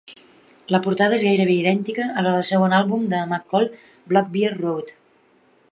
La portada és gairebé idèntica a la del segon àlbum de McCall "Black Bear Road".